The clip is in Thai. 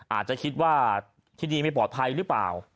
อาจจะคิดว่าที่ดีไม่ปลอดภัยหรือเปล่า